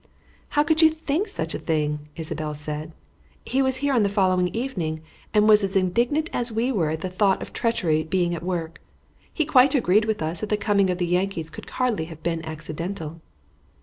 "How could you think such a thing?" Isabelle said. "He was here on the following evening, and was as indignant as we were at the thought of treachery being at work. He quite agreed with us that the coming of the Yankees could hardly have been accidental."